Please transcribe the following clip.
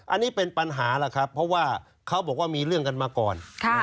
อันนี้เป็นปัญหาล่ะครับเพราะว่าเขาบอกว่ามีเรื่องกันมาก่อน